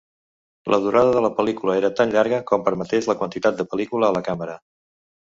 La durada de la pel·lícula era tan llarga com permetés la quantitat de pel·lícula a la càmera.